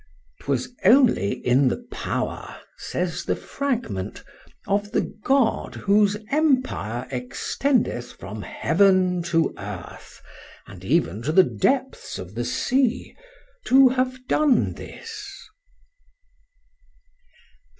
'Twas only in the power, says the Fragment, of the God whose empire extendeth from heaven to earth, and even to the depths of the sea, to have done this.